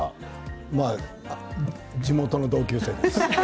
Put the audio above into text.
まあ、地元の同級生です。